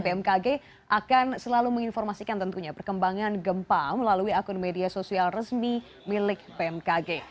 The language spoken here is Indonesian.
bmkg akan selalu menginformasikan tentunya perkembangan gempa melalui akun media sosial resmi milik bmkg